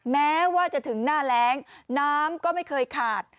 แม้ว่าจะถึงหน้าแรงน้ำก็ไม่เคยขาด